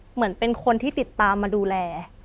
เหมือนเป็นคนที่ติดตามมาดูแล